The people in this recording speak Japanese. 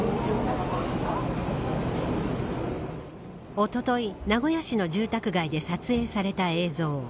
おととい名古屋市の住宅街で撮影された映像。